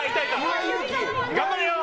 頑張れよ！